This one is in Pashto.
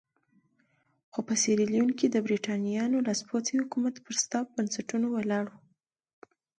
خو په سیریلیون کې د برېټانویانو لاسپوڅی حکومت پر شته بنسټونو ولاړ وو.